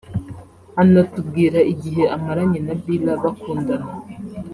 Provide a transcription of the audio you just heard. anatubwira igihe amaranye na Bilha bakundana